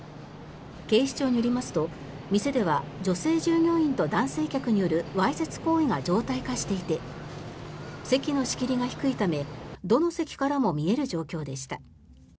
警視庁によりますと、店では女性従業員と男性客によるわいせつ行為が常態化していて席の仕切りが低いためどの席からも見える状況でした。